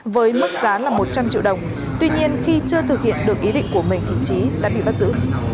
với mức giá là một trăm linh triệu đồng tuy nhiên khi chưa thực hiện được ý định của mình thì trí đã bị bắt giữ